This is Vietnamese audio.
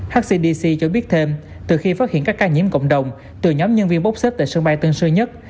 hcdc cho biết thêm từ khi phát hiện các ca nhiễm cộng đồng từ nhóm nhân viên bốc xếp tại sân bay tân sơn nhất